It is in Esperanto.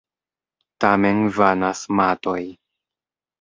Tamen vanas matoj.